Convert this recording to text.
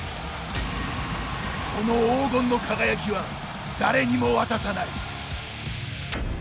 この黄金の輝きは誰にも渡さない。